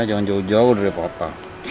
jangan jauh jauh dari kota